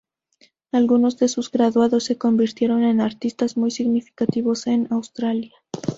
Algunos de sus graduados se convirtieron en artistas muy significativos en Australia.